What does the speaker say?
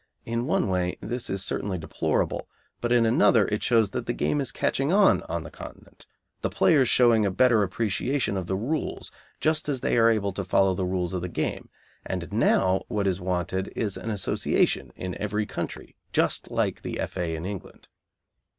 In one way this is certainly deplorable, but in another it shows that the game is catching on on the Continent, the players showing a better appreciation of the rules, just as they are able to follow the rules of the game; and now what is wanted is an Association in every country just like the F.A. in England.